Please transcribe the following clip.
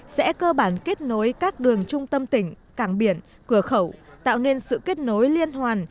sẽ cơ bản kết nối các đường trung tâm tỉnh cảng biển cửa khẩu tạo nên sự kết nối liên hoàn